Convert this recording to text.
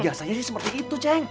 biasanya sih seperti itu ceng